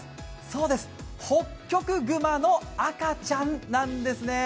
そうです、ホッキョクグマの赤ちゃんなんですね。